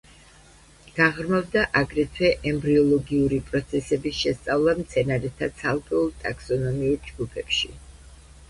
გაღრმავდა აგრეთვე ემბრიოლოგიური პროცესების შესწავლა მცენარეთა ცალკეულ ტაქსონომიურ ჯგუფებში.